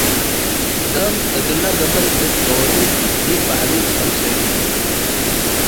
ደአም እግለ ገመል እብ ጾሩ ዲብ በዐሉ በልሰዩ።